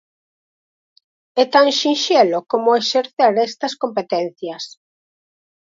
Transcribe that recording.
É tan sinxelo como exercer estas competencias.